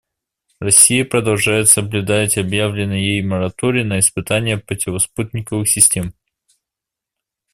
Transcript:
Россия продолжает соблюдать объявленный ею мораторий на испытания противоспутниковых систем.